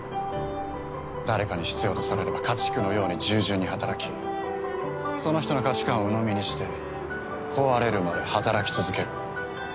誰かに必要とされれば家畜のように従順に働きその人の価値観をうのみにして壊れるまで働き続ける。